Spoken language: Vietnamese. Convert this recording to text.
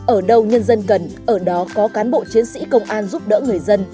ở đâu nhân dân gần ở đó có cán bộ chiến sĩ công an giúp đỡ người dân